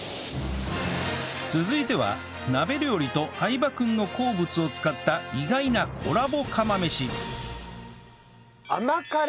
続いては鍋料理と相葉君の好物を使った意外なコラボ釜飯なんだ？